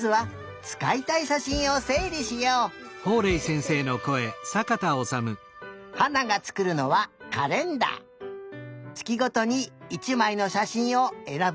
つきごとに１まいのしゃしんをえらぶことにしたよ。